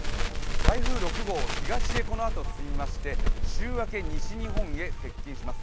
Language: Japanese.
台風６号、このあと東へ進み週明け、西日本へ接近します。